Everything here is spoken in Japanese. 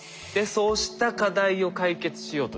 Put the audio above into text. そうした課題を解決しようとですね